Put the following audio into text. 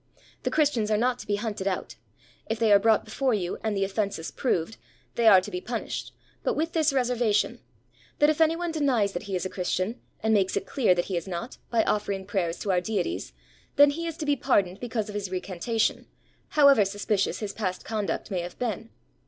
The Christians are not to be hunted out; if they are brought before you and the offense is proved, they are to be punished, but with this reservation, — that if any one denies that he is a Christian and makes it clear that he is not, by offering prayers to our deities, then he is to be pardoned because of his recantation, however sus picious his past conduct may have been.